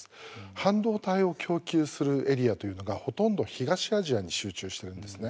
半導体を供給するエリアというのがほとんど東アジアに集中しているんですね。